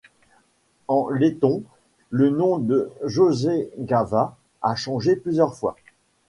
En letton, le nom de Jaunjelgava a changé plusieurs fois.